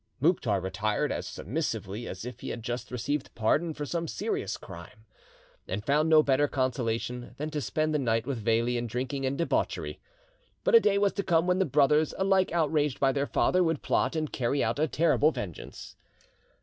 Mouktar retired as submissively as if he had just received pardon for some serious crime, and found no better consolation than to spend the night with Veli in drinking and debauchery. But a day was to come when the brothers, alike outraged by their father, would plot and carry out a terrible vengeance.